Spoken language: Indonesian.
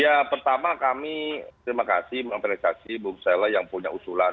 ya pertama kami terima kasih mengapresiasi bung saleh yang punya usulan